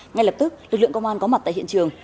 ngay lập tức lực lượng công an có mặt tại hiện trường